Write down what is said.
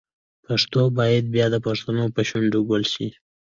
پښتو باید بیا د پښتنو په شونډو ګل شي.